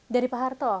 dari pak harto